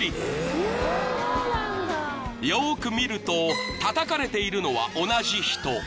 ［よーく見るとたたかれているのは同じ人］